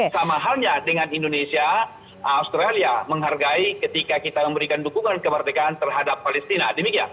sama halnya dengan indonesia australia menghargai ketika kita memberikan dukungan kemerdekaan terhadap palestina